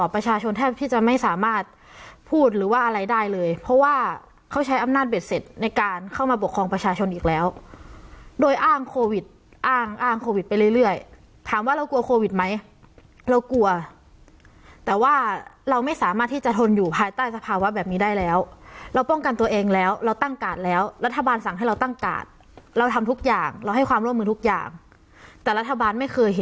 ประชาชนแทบที่จะไม่สามารถพูดหรือว่าอะไรได้เลยเพราะว่าเขาใช้อำนาจเบ็ดเสร็จในการเข้ามาปกครองประชาชนอีกแล้วโดยอ้างโควิดอ้างอ้างโควิดไปเรื่อยถามว่าเรากลัวโควิดไหมเรากลัวแต่ว่าเราไม่สามารถที่จะทนอยู่ภายใต้สภาวะแบบนี้ได้แล้วเราป้องกันตัวเองแล้วเราตั้งกาดแล้วรัฐบาลสั่งให้เราตั้งกาดเราทำทุกอย่างเราให้ความร่วมมือทุกอย่างแต่รัฐบาลไม่เคยเห็น